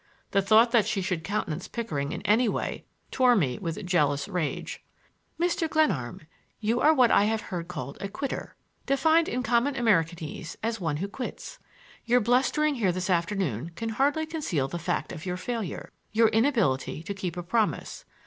The thought that she should countenance Pickering in any way tore me with jealous rage. "Mr. Glenarm, you are what I have heard called a quitter, defined in common Americanese as one who quits! Your blustering here this afternoon can hardly conceal the fact of your failure,—your inability to keep a promise.